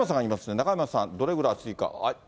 中山さん、どれぐらい暑いか。